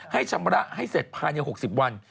ให้ชำระให้เสร็จผ่านอย่าง๖๐วัน